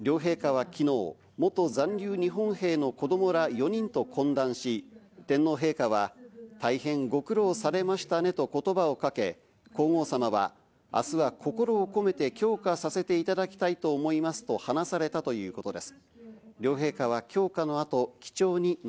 両陛下はきのう、元残留日本兵の子どもら４人と懇談し、天皇陛下は大変ご苦労されましたねと言葉をかけ、皇后さまは、あすは心を込めて供花させていただきたいと思いますと話されたということです。